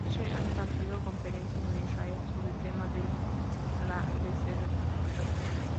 Ehrlich ha impartido conferencias en Israel sobre el tema de la desertificación.